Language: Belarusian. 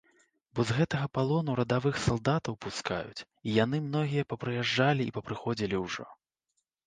Бо з гэтага палону радавых салдатаў пускаюць, і яны многія папрыязджалі і папрыходзілі ўжо.